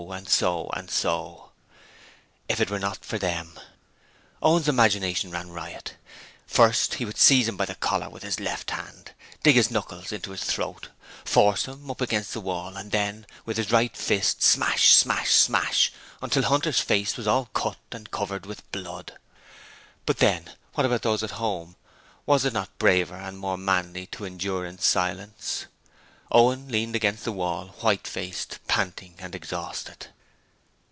and so! and so! If it were not for them! Owen's imagination ran riot. First he would seize him by the collar with his left hand, dig his knuckles into his throat, force him up against the wall and then, with his right fist, smash! smash! smash! until Hunter's face was all cut and covered with blood. But then, what about those at home? Was it not braver and more manly to endure in silence? Owen leaned against the wall, white faced, panting and exhausted.